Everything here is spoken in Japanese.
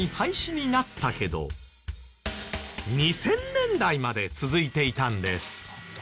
２０００年代まで続いていたんです。